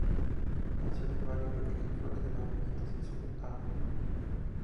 Nacido en el barrio porteño de Flores, en la intersección de Av.